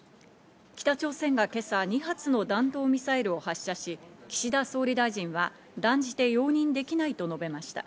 北朝鮮が今朝２発の弾道ミサイルを発射し、岸田総理大臣は断じて容認できないと述べました。